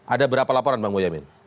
ada berapa laporan bang boyamin